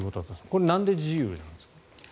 これなんで自由だったんですか？